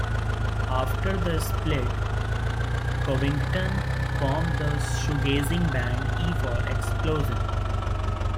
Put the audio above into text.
After the split, Covington formed the shoegazing band E for Explosion.